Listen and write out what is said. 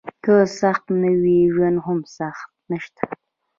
که صحت نه وي ژوند هم نشته.